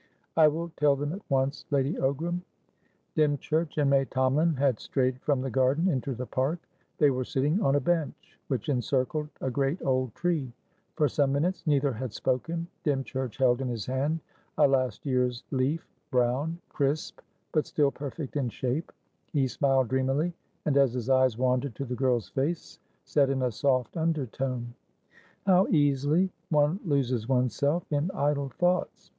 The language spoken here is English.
"I will tell them at once, Lady Ogram." Dymchurch and May Tomalin had strayed from the garden into the park. They were sitting on a bench which encircled a great old tree. For some minutes neither had spoken. Dymchurch held in his hand a last year's leaf, brown, crisp, but still perfect in shape; he smiled dreamily, and, as his eyes wandered to the girl's face, said in a soft undertone: "How easily one loses oneself in idle thoughts!